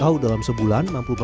yuk ini masih ngantuk